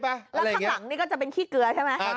แล้วข้างหลังนี่ก็จะเป็นขี้เกลือใช่ไหม